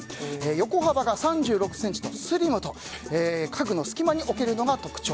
横幅が３６ｃｍとスリムで家具の隙間に置けるのが特徴。